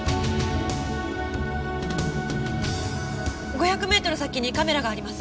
５００メートル先にカメラがあります。